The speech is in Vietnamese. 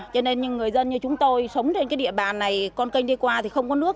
cho nên người dân như chúng tôi sống trên cái địa bàn này con kênh đi qua thì không có nước